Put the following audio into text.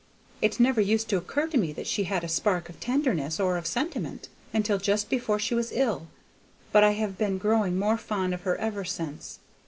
It never used to occur to me that she had a spark of tenderness or of sentiment, until just before she was ill, but I have been growing more fond of her ever since.